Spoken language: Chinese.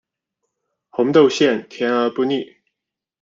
红豆馅甜而不腻